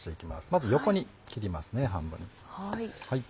まず横に切ります半分に。